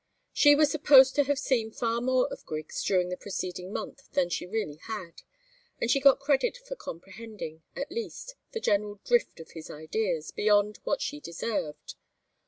She was supposed to have seen far more of Griggs during the preceding month than she really had, and she got credit for comprehending, at least, the general drift of his ideas, beyond what she deserved.